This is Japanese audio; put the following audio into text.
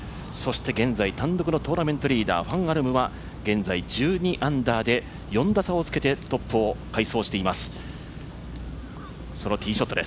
そして現在単独のトーナメントリーダー、ファン・アルムは現在１２アンダーで４打差をつけてトップを快走しています。